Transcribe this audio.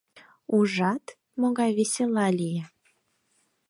— Ужат, могай весела лие.